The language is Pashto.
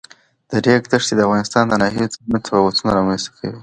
د ریګ دښتې د افغانستان د ناحیو ترمنځ تفاوتونه رامنځ ته کوي.